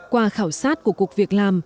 qua khảo sát của cuộc việc làm